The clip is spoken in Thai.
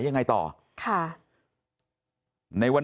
ครับคุณสาวทราบไหมครับ